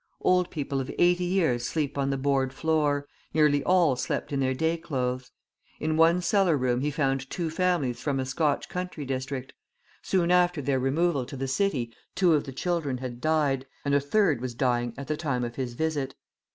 Old people of eighty years sleep on the board floor, nearly all slept in their day clothes. In one cellar room he found two families from a Scotch country district; soon after their removal to the city two of the children had died, and a third was dying at the time of his visit.